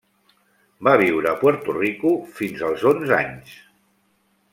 Va viure a Puerto Rico fins als onze anys.